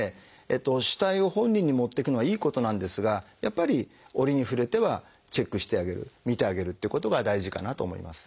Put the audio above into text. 主体を本人に持っていくのはいいことなんですがやっぱり折に触れてはチェックしてあげる見てあげるっていうことが大事かなと思います。